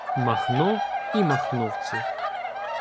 Махно і махновці